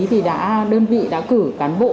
thì đơn vị đã cử cán bộ